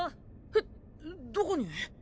えっどこに？